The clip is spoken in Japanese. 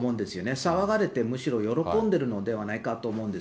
騒がれてむしろ喜んでるのではないかと思うんです。